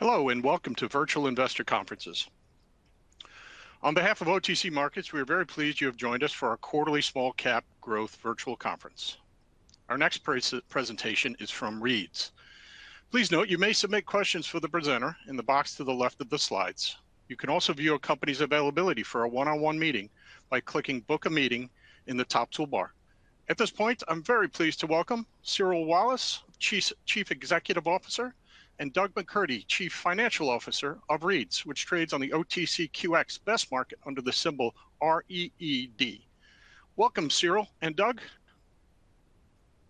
Hello, and welcome to Virtual Investor Conferences. On behalf of OTC Markets, we are very pleased you have joined us for our quarterly Small-Cap Growth Virtual Conference. Our next presentation is from Reed's. Please note you may submit questions for the presenter in the box to the left of the slides. You can also view a company's availability for a one-on-one meeting by clicking "Book a Meeting" in the top toolbar. At this point, I'm very pleased to welcome Cyril Wallace, Chief Executive Officer, and Doug McCurdy, Chief Financial Officer of Reed's, which trades on the OTCQX best market under the symbol REED. Welcome, Cyril and Doug.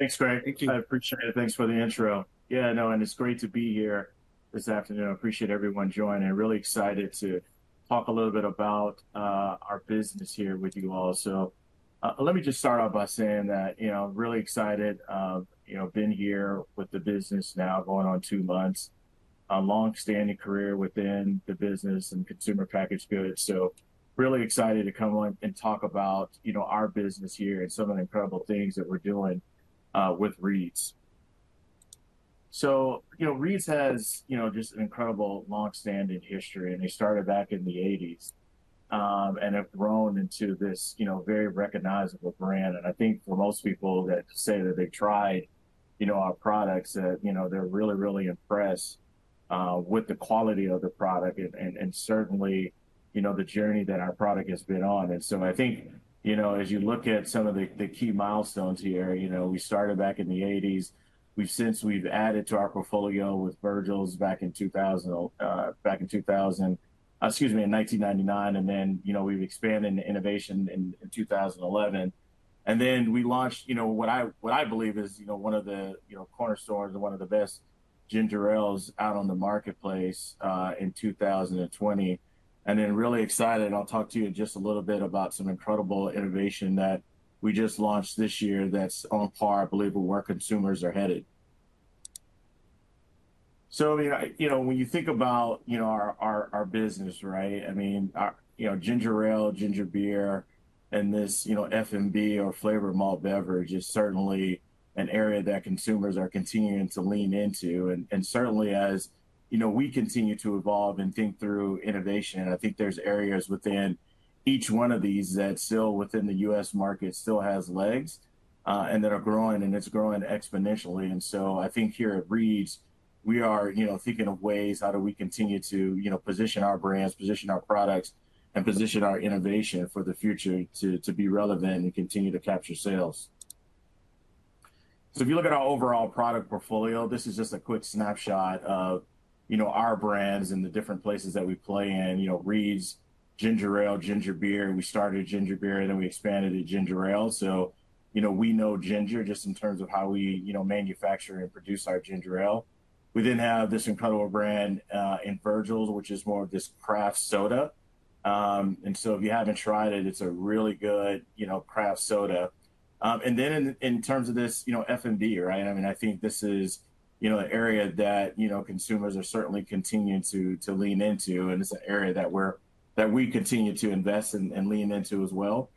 Thanks, Greg. Thank you. I appreciate it. Thanks for the intro. Yeah, no, and it's great to be here this afternoon. I appreciate everyone joining. Really excited to talk a little bit about our business here with you all. Let me just start off by saying that, you know, really excited, you know, been here with the business now going on two months, a long-standing career within the business and consumer package goods. Really excited to come on and talk about, you know, our business here and some of the incredible things that we're doing with Reed's. You know, Reed's has, you know, just an incredible long-standing history, and they started back in the 1980s and have grown into this, you know, very recognizable brand. I think for most people that say that they've tried, you know, our products, that, you know, they're really, really impressed with the quality of the product and certainly, you know, the journey that our product has been on. I think, you know, as you look at some of the key milestones here, you know, we started back in the 1980s. We've since added to our portfolio with Virgil's back in 2000, excuse me, in 1999. We've expanded in innovation in 2011. We launched, you know, what I believe is, you know, one of the, you know, cornerstones and one of the best ginger ales out on the marketplace in 2020. Really excited, and I'll talk to you in just a little bit about some incredible innovation that we just launched this year that's on par, I believe, with where consumers are headed. I mean, you know, when you think about, you know, our business, right? I mean, you know, ginger ale, ginger beer, and this, you know, FMB or flavor malt beverage is certainly an area that consumers are continuing to lean into. And certainly, as, you know, we continue to evolve and think through innovation, I think there's areas within each one of these that still within the U.S. market still has legs and that are growing, and it's growing exponentially. I think here at Reed's, we are, you know, thinking of ways how do we continue to, you know, position our brands, position our products, and position our innovation for the future to be relevant and continue to capture sales. If you look at our overall product portfolio, this is just a quick snapshot of, you know, our brands and the different places that we play in, you know, Reed's, ginger ale, ginger beer. We started ginger beer, and then we expanded to ginger ale. You know, we know ginger just in terms of how we, you know, manufacture and produce our ginger ale. We then have this incredible brand in Virgil's, which is more of this craft soda. If you haven't tried it, it's a really good, you know, craft soda. In terms of this, you know, FMB, right? I mean, I think this is, you know, an area that, you know, consumers are certainly continuing to lean into, and it's an area that we continue to invest and lean into as well.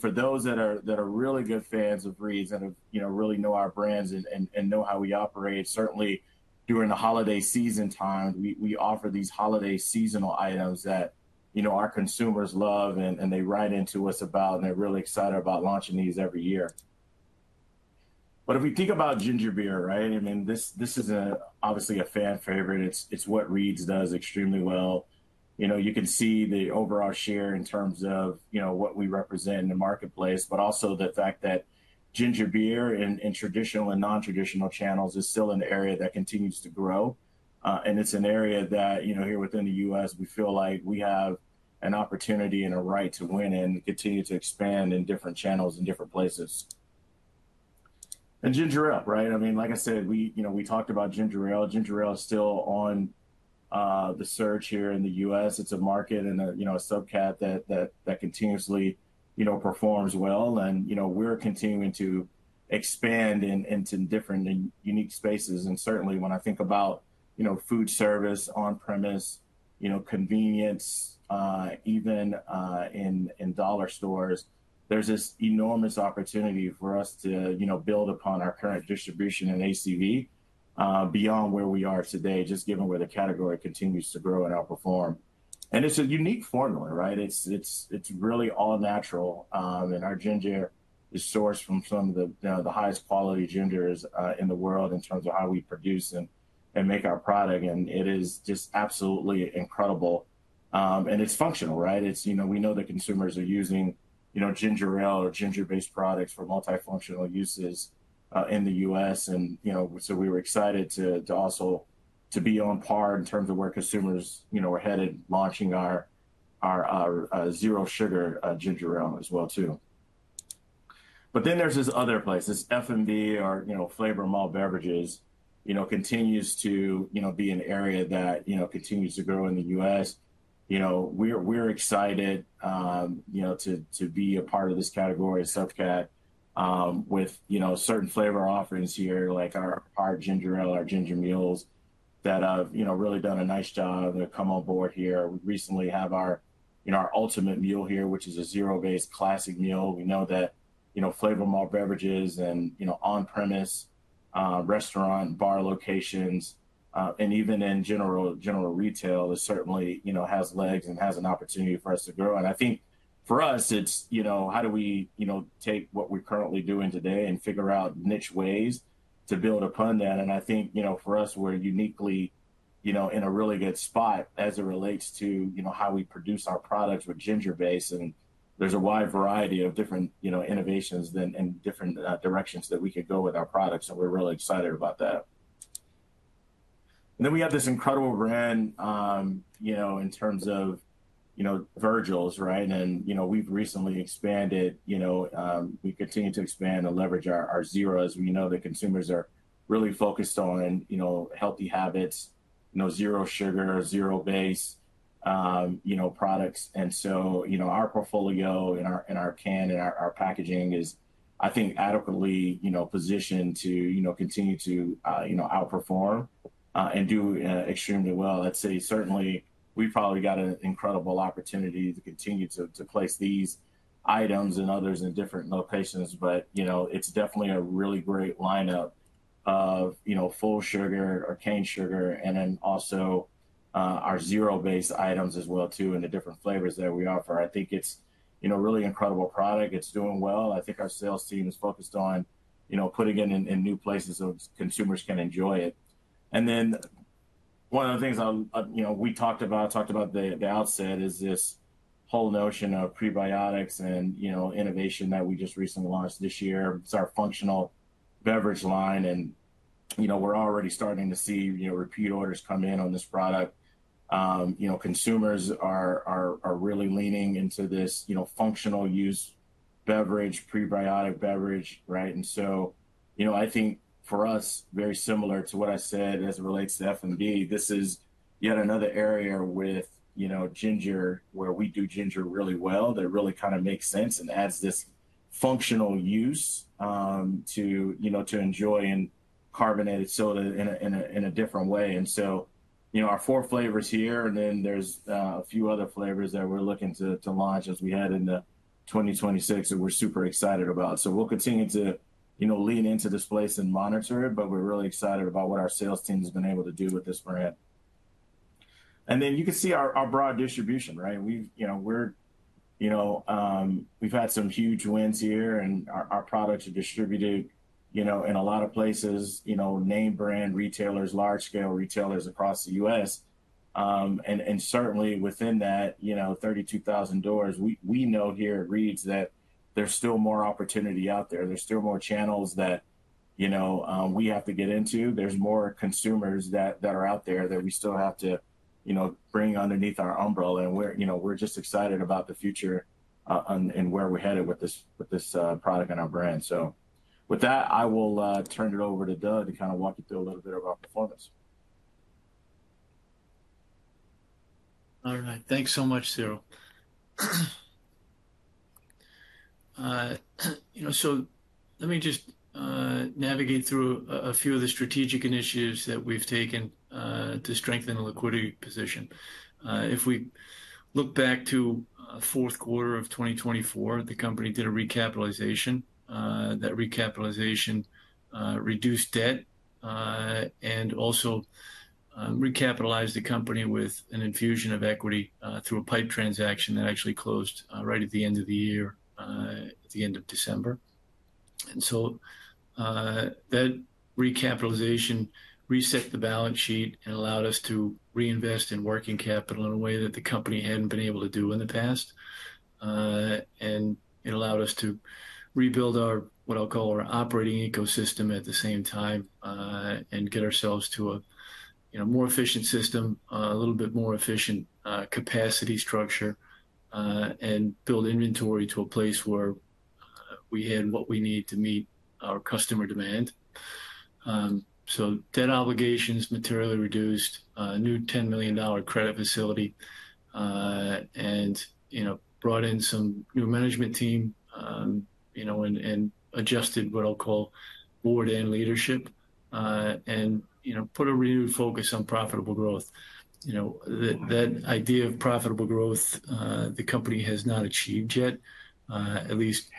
For those that are really good fans of Reed's and have, you know, really know our brands and know how we operate, certainly during the holiday season time, we offer these holiday seasonal items that, you know, our consumers love and they write in to us about, and they're really excited about launching these every year. If we think about ginger beer, right? I mean, this is obviously a fan favorite. It's what Reed's does extremely well. You know, you can see the overall share in terms of, you know, what we represent in the marketplace, but also the fact that ginger beer in traditional and non-traditional channels is still an area that continues to grow. It is an area that, you know, here within the U.S., we feel like we have an opportunity and a right to win and continue to expand in different channels in different places. Ginger ale, right? I mean, like I said, we, you know, we talked about ginger ale. Ginger ale is still on the surge here in the U.S. It is a market and a, you know, a subcat that continuously, you know, performs well. You know, we're continuing to expand into different and unique spaces. Certainly when I think about, you know, food service, on-premise, you know, convenience, even in dollar stores, there's this enormous opportunity for us to, you know, build upon our current distribution in ACV beyond where we are today, just given where the category continues to grow and outperform. It's a unique formula, right? It's really all natural. Our ginger is sourced from some of the highest quality gingers in the world in terms of how we produce and make our product. It is just absolutely incredible. It's functional, right? It's, you know, we know that consumers are using, you know, ginger ale or ginger-based products for multifunctional uses in the U.S. You know, we were excited to also be on par in terms of where consumers, you know, are headed, launching our zero sugar ginger ale as well too. There is this other place, this FMB or, you know, flavor malt beverages, you know, continues to, you know, be an area that, you know, continues to grow in the U.S. You know, we're excited, you know, to be a part of this category or subcat with, you know, certain flavor offerings here, like our ginger ale, our ginger mules that have, you know, really done a nice job and have come on board here. We recently have our, you know, our ultimate mule here, which is a zero-based classic mule. We know that, you know, flavor malt beverages and, you know, on-premise restaurant and bar locations, and even in general retail, it certainly, you know, has legs and has an opportunity for us to grow. I think for us, it's, you know, how do we, you know, take what we're currently doing today and figure out niche ways to build upon that. I think, you know, for us, we're uniquely, you know, in a really good spot as it relates to, you know, how we produce our products with ginger base. There's a wide variety of different, you know, innovations and different directions that we could go with our products. We're really excited about that. We have this incredible brand, you know, in terms of, you know, Virgil's, right? You know, we've recently expanded, you know, we continue to expand and leverage our zeros. We know that consumers are really focused on, you know, healthy habits, you know, zero sugar, zero-based, you know, products. You know, our portfolio and our can and our packaging is, I think, adequately, you know, positioned to, you know, continue to, you know, outperform and do extremely well. I'd say certainly we've probably got an incredible opportunity to continue to place these items and others in different locations. You know, it's definitely a really great lineup of, you know, full sugar or cane sugar, and then also our zero-based items as well too and the different flavors that we offer. I think it's, you know, really incredible product. It's doing well. I think our sales team is focused on, you know, putting it in new places so consumers can enjoy it. One of the things I'll, you know, we talked about, talked about at the outset is this whole notion of prebiotics and, you know, innovation that we just recently launched this year. It's our functional beverage line. And, you know, we're already starting to see, you know, repeat orders come in on this product. You know, consumers are really leaning into this, you know, functional use beverage, prebiotic beverage, right? And so, you know, I think for us, very similar to what I said as it relates to FMB, this is yet another area with, you know, ginger where we do ginger really well that really kind of makes sense and adds this functional use to, you know, to enjoy and carbonated soda in a different way. And so, you know, our four flavors here, and then there's a few other flavors that we're looking to launch as we head into 2026 that we're super excited about. We'll continue to, you know, lean into this place and monitor it, but we're really excited about what our sales team has been able to do with this brand. You can see our broad distribution, right? We've had some huge wins here, and our products are distributed, you know, in a lot of places, you know, name brand retailers, large-scale retailers across the U.S. Certainly within that, you know, 32,000 doors, we know here at Reed's that there's still more opportunity out there. There's still more channels that, you know, we have to get into. There's more consumers that are out there that we still have to, you know, bring underneath our umbrella. We're, you know, we're just excited about the future and where we're headed with this product and our brand. With that, I will turn it over to Doug to kind of walk you through a little bit of our performance. All right. Thanks so much, Cyril. You know, let me just navigate through a few of the strategic initiatives that we've taken to strengthen the liquidity position. If we look back to the fourth quarter of 2024, the company did a recapitalization. That recapitalization reduced debt and also recapitalized the company with an infusion of equity through a PIPE transaction that actually closed right at the end of the year, at the end of December. That recapitalization reset the balance sheet and allowed us to reinvest in working capital in a way that the company hadn't been able to do in the past. It allowed us to rebuild our, what I'll call our operating ecosystem at the same time and get ourselves to a more efficient system, a little bit more efficient capacity structure, and build inventory to a place where we had what we need to meet our customer demand. Debt obligations materially reduced, new $10 million credit facility, and, you know, brought in some new management team, you know, and adjusted what I'll call board and leadership, and, you know, put a renewed focus on profitable growth. You know, that idea of profitable growth, the company has not achieved yet, at least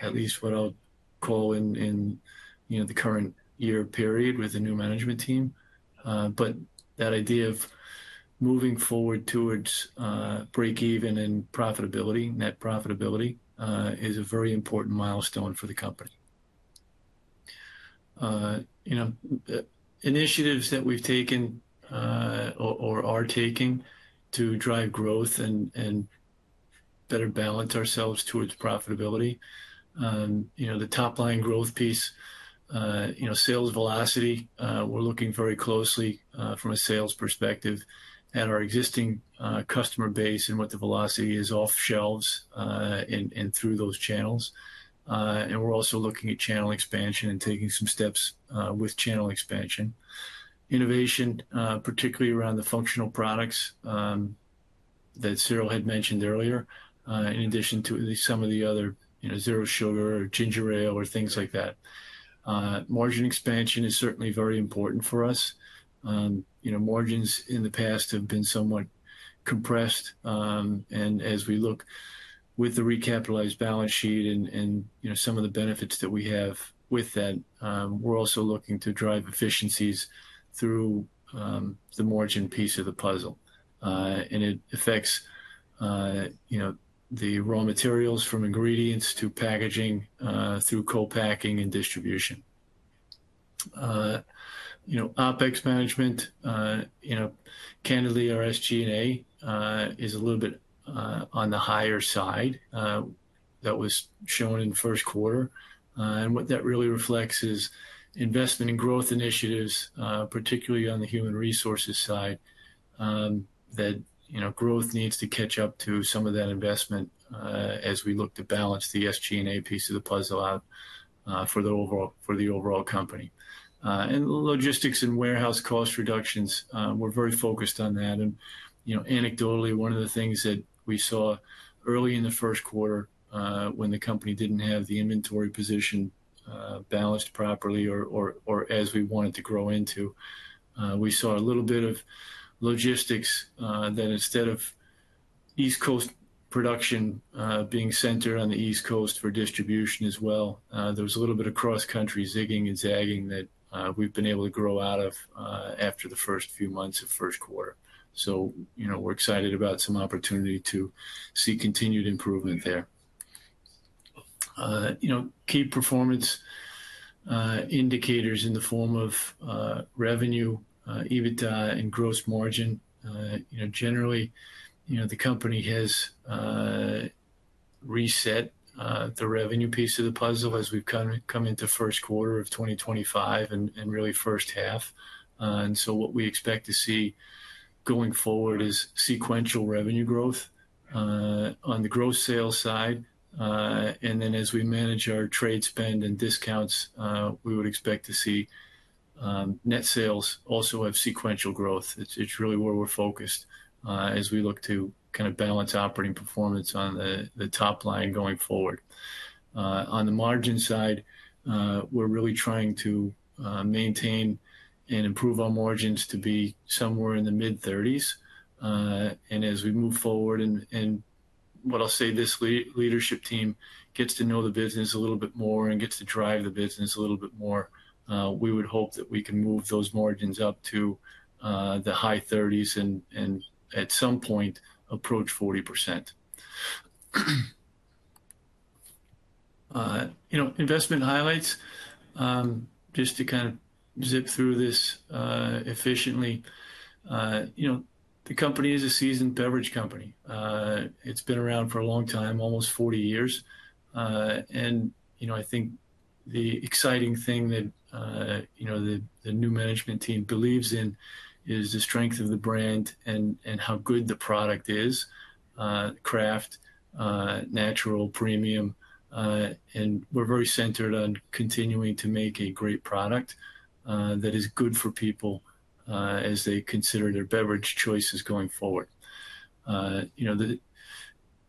what I'll call in, you know, the current year period with a new management team. That idea of moving forward towards break-even and profitability, net profitability, is a very important milestone for the company. You know, initiatives that we've taken or are taking to drive growth and better balance ourselves towards profitability. You know, the top-line growth piece, you know, sales velocity, we're looking very closely from a sales perspective at our existing customer base and what the velocity is off shelves and through those channels. We're also looking at channel expansion and taking some steps with channel expansion. Innovation, particularly around the functional products that Cyril had mentioned earlier, in addition to some of the other, you know, zero sugar or ginger ale or things like that. Margin expansion is certainly very important for us. You know, margins in the past have been somewhat compressed. As we look with the recapitalized balance sheet and, you know, some of the benefits that we have with that, we're also looking to drive efficiencies through the margin piece of the puzzle. It affects, you know, the raw materials from ingredients to packaging through co-packing and distribution. You know, OPEX management, you know, candidly, our SG&A is a little bit on the higher side that was shown in the first quarter. What that really reflects is investment in growth initiatives, particularly on the human resources side, that, you know, growth needs to catch up to some of that investment as we look to balance the SG&A piece of the puzzle out for the overall company. Logistics and warehouse cost reductions, we're very focused on that. You know, anecdotally, one of the things that we saw early in the first quarter when the company did not have the inventory position balanced properly or as we wanted to grow into, we saw a little bit of logistics that instead of East Coast production being centered on the East Coast for distribution as well, there was a little bit of cross-country zigging and zagging that we have been able to grow out of after the first few months of first quarter. You know, we are excited about some opportunity to see continued improvement there. Key performance indicators in the form of revenue, EBITDA, and gross margin, you know, generally, the company has reset the revenue piece of the puzzle as we have come into first quarter of 2025 and really first half. What we expect to see going forward is sequential revenue growth on the gross sales side. As we manage our trade spend and discounts, we would expect to see net sales also have sequential growth. It is really where we are focused as we look to kind of balance operating performance on the top line going forward. On the margin side, we are really trying to maintain and improve our margins to be somewhere in the mid-30% range. As we move forward and, what I will say, this leadership team gets to know the business a little bit more and gets to drive the business a little bit more, we would hope that we can move those margins up to the high 30% range and at some point approach 40%. You know, investment highlights, just to kind of zip through this efficiently. You know, the company is a seasoned beverage company. It's been around for a long time, almost 40 years. You know, I think the exciting thing that, you know, the new management team believes in is the strength of the brand and how good the product is, craft, natural, premium. We're very centered on continuing to make a great product that is good for people as they consider their beverage choices going forward. You know, the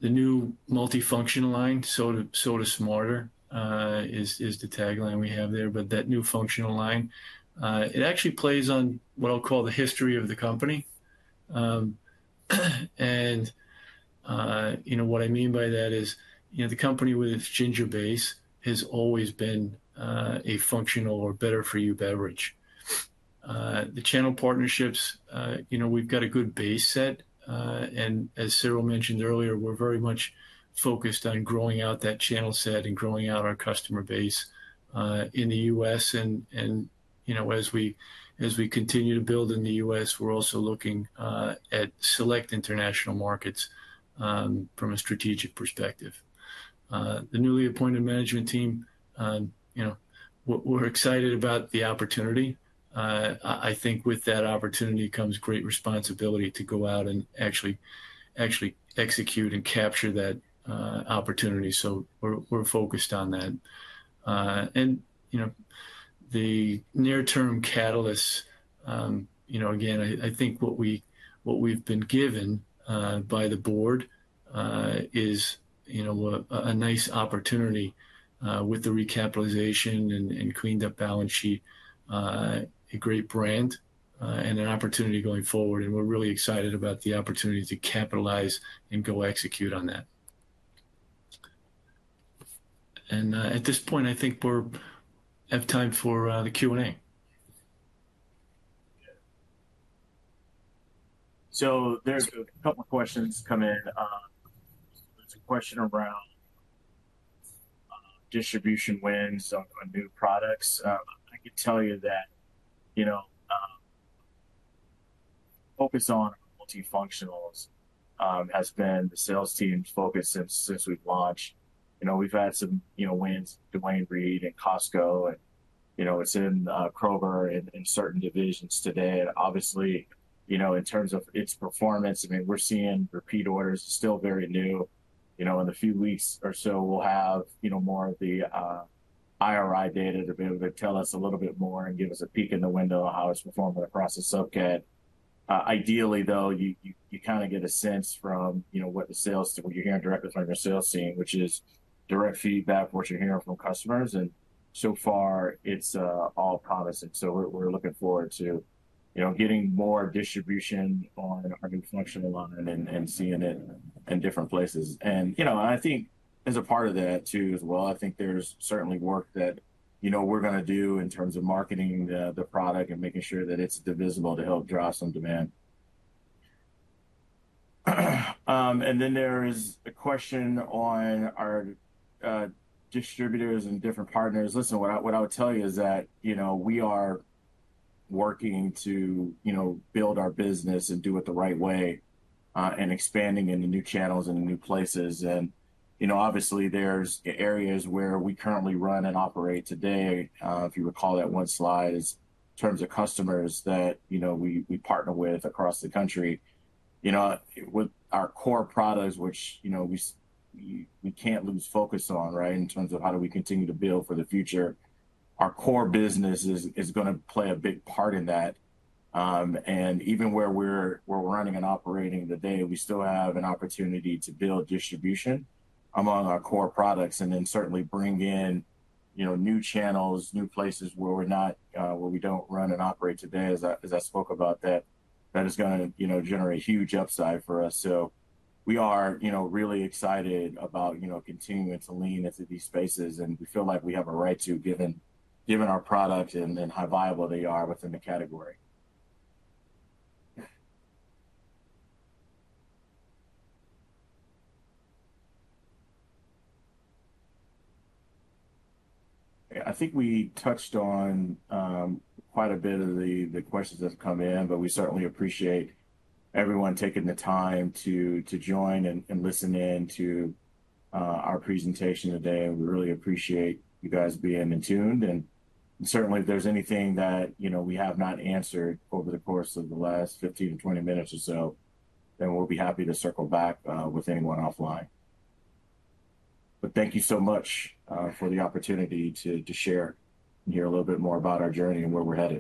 new multifunctional line, Soda Smarter, is the tagline we have there. That new functional line actually plays on what I'll call the history of the company. You know, what I mean by that is, you know, the company with its ginger base has always been a functional or better-for-you beverage. The channel partnerships, you know, we've got a good base set. As Cyril mentioned earlier, we're very much focused on growing out that channel set and growing out our customer base in the U.S. You know, as we continue to build in the U.S., we're also looking at select international markets from a strategic perspective. The newly appointed management team, you know, we're excited about the opportunity. I think with that opportunity comes great responsibility to go out and actually execute and capture that opportunity. We're focused on that. You know, the near-term catalysts, again, I think what we've been given by the board is a nice opportunity with the recapitalization and cleaned-up balance sheet, a great brand, and an opportunity going forward. We're really excited about the opportunity to capitalize and go execute on that. At this point, I think we have time for the Q&A. There's a couple of questions come in. There's a question around distribution wins on new products. I can tell you that, you know, focus on multifunctionals has been the sales team's focus since we've launched. You know, we've had some, you know, wins with Duane Reade and Costco, and, you know, it's in Kroger in certain divisions today. Obviously, you know, in terms of its performance, I mean, we're seeing repeat orders, still very new. You know, in a few weeks or so, we'll have, you know, more of the IRI data to be able to tell us a little bit more and give us a peek in the window on how it's performed across the subcat. Ideally, though, you kind of get a sense from, you know, what the sales, what you're hearing directly from your sales team, which is direct feedback, what you're hearing from customers. So far, it's all promising. We're looking forward to, you know, getting more distribution on our new functional line and seeing it in different places. I think as a part of that too as well, I think there's certainly work that, you know, we're going to do in terms of marketing the product and making sure that it's divisible to help drive some demand. Then there's a question on our distributors and different partners. Listen, what I would tell you is that, you know, we are working to, you know, build our business and do it the right way and expanding into new channels and new places. Obviously, there's areas where we currently run and operate today. If you recall that one slide is in terms of customers that, you know, we partner with across the country. You know, with our core products, which, you know, we can't lose focus on, right, in terms of how do we continue to build for the future. Our core business is going to play a big part in that. Even where we're running and operating today, we still have an opportunity to build distribution among our core products and then certainly bring in, you know, new channels, new places where we're not, where we don't run and operate today. As I spoke about that, that is going to, you know, generate huge upside for us. We are, you know, really excited about, you know, continuing to lean into these spaces. We feel like we have a right to given our product and how viable they are within the category. I think we touched on quite a bit of the questions that have come in, but we certainly appreciate everyone taking the time to join and listen in to our presentation today. We really appreciate you guys being in tuned. Certainly, if there's anything that, you know, we have not answered over the course of the last 15 to 20 minutes or so, we will be happy to circle back with anyone offline. Thank you so much for the opportunity to share and hear a little bit more about our journey and where we're headed.